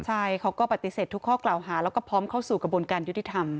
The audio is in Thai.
ใช่เขาก็ปฏิเสธทุกข้อกล่าวหาแล้วก็พร้อมเข้าสู่กระบวนการยุติธรรม